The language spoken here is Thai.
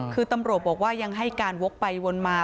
คือตำรวจบอกว่ายังให้การวกไปวนมา